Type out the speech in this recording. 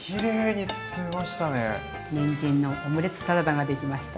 にんじんのオムレツサラダができました。